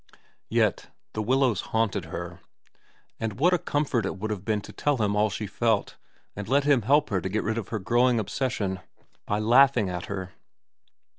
Yet The Willows haunted her, and what a comfort it would have been to tell him all she felt and let him help her to get rid of her growing obsession by laughing at her.